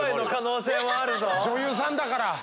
女優さんだから！